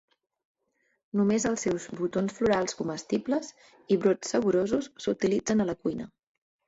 Només els seus botons florals comestibles i brots saborosos s'utilitzen a la cuina.